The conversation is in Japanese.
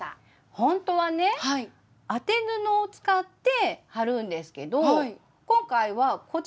ほんとはね当て布を使って貼るんですけど今回はこちら。